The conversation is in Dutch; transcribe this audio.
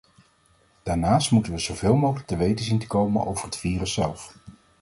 Daarnaast moeten we zoveel mogelijk te weten zien te komen over het virus zelf.